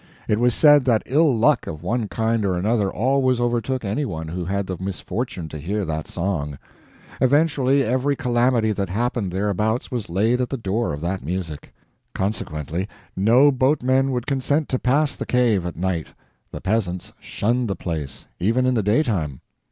It was said that ill luck of one kind or another always overtook any one who had the misfortune to hear that song. Eventually, every calamity that happened thereabouts was laid at the door of that music. Consequently, no boatmen would consent to pass the cave at night; the peasants shunned the place, even in the daytime.